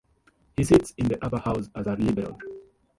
He sits in the upper house as a Liberal.